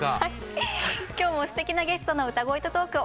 今日もすてきなゲストの歌声とトークをお楽しみ頂きます。